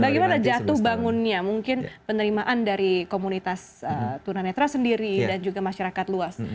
bagaimana jatuh bangunnya mungkin penerimaan dari komunitas tunanetra sendiri dan juga masyarakat luas